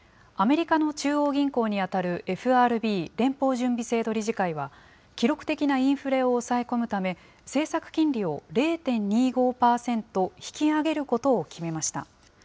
アメリカの中央銀行に当たる、ＦＲＢ・連邦準備制度理事会は、記録的なインフレを抑え込むため、政策金利を０．２５％引き上げることを決めました。